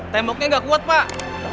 temboknya nggak kuat pak